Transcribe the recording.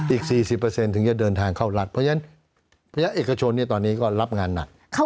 อีก๔๐ถึงจะเดินทางเข้ารัฐเพราะฉะนั้นภาคเอกชนตอนนี้ก็รับงานหนัก